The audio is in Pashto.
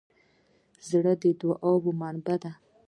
زړه د دوعا منبع ده.